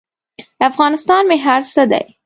افغانستان مې هر څه دی.